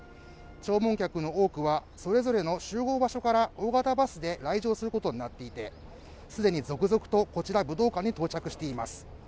弔問客の多くはそれぞれの集合場所から大型バスで来場することになっていてすでに続々とこちら武道館に到着しています